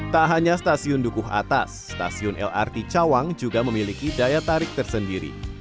tak hanya stasiun dukuh atas stasiun lrt cawang juga memiliki daya tarik tersendiri